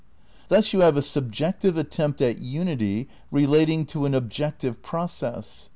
Thus you have a subjective attempt at unity relating to an objective "process."